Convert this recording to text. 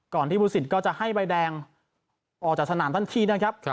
ที่ภูสินก็จะให้ใบแดงออกจากสนามทันทีนะครับ